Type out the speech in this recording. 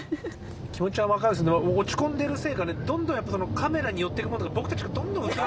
気持ちはわかるんですけど落ち込んでるせいかねどんどんやっぱカメラに寄ってくコトでボクたちがどんどん映らなくなってるんですね。